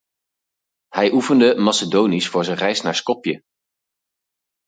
Hij oefende Macedonisch voor zijn reis naar Skopje.